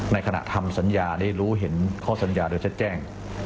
ในขณะทำสัญญาได้รู้เห็นข้อสัญญาโดยชัดแจ้ง